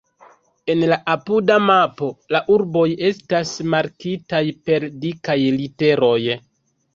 En la apuda mapo la urboj estas markitaj per dikaj literoj.